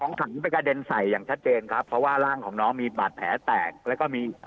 ของถังที่กระเด็นไปใส่อย่างชัดเจนครับเพราะว่าร่างของน้องมีบาดแผลแตก